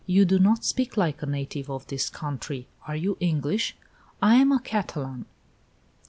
"You do not speak like a native of this country. Are you English?" "I am a Catalan."